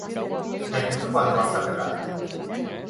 Gaindituko al du azterketa?